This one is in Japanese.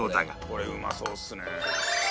これうまそうですね。